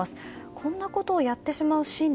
こんなことをやってしまう心理